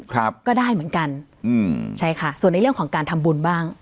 ครับก็ได้เหมือนกันอืมใช่ค่ะส่วนในเรื่องของการทำบุญบ้าง